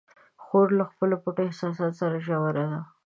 خور له خپلو پټو احساساتو سره ژوره ده.